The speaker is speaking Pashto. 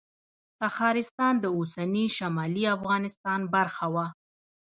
تخارستان د اوسني شمالي افغانستان برخه وه